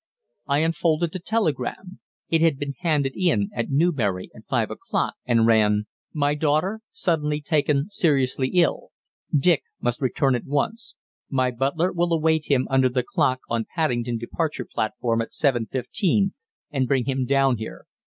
I unfolded the telegram. It had been handed in at Newbury at five o'clock, and ran: "My daughter suddenly taken seriously ill. Dick must return at once. My butler will await him under the clock on Paddington departure platform at 7:15, and bring him down here.